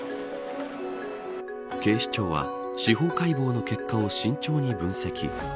警視庁は司法解剖の結果を慎重に分析。